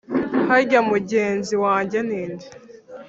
Harya mugenzi wanjye ni nde